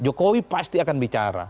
jokowi pasti akan bicara